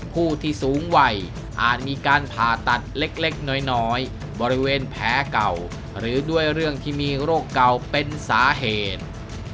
ผู้ที่สูงวัยอาจมีการผ่าตัดเล็กน้อยบริเวณแผลเก่าหรือด้วยเรื่องที่มีโรคเก่าเป็นสาเหตุ